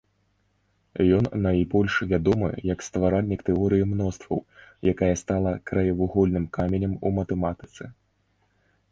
Ён найбольш вядомы як стваральнік тэорыі мностваў, якая стала краевугольным каменем у матэматыцы.